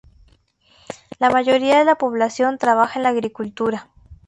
La mayoría de la población trabajaba en la agricultura.